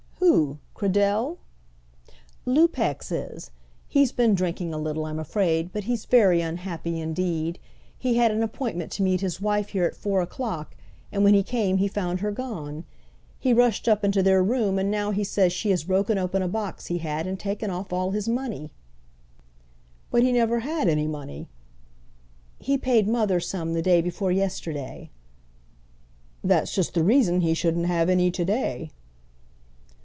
"Who, Cradell?" "Lupex is. He's been drinking a little, I'm afraid; but he's very unhappy, indeed. He had an appointment to meet his wife here at four o'clock, and when he came he found her gone. He rushed up into their room, and now he says she has broken open a box he had and taken off all his money." "But he never had any money." "He paid mother some the day before yesterday." "That's just the reason he shouldn't have any to day."